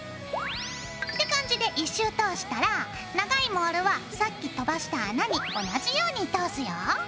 って感じで１周通したら長いモールはさっき飛ばした穴に同じように通すよ。